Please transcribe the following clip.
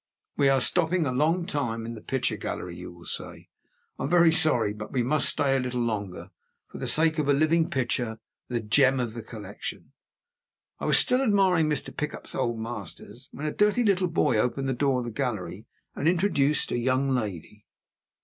We are stopping a long time in the picture gallery, you will say. I am very sorry but we must stay a little longer, for the sake of a living picture, the gem of the collection. I was still admiring Mr. Pickup's Old Masters, when a dirty little boy opened the door of the gallery, and introduced a young lady.